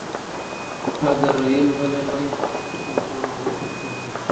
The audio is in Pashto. اگر رحیم غلی وای نو پاڼه به نه خفه کېده.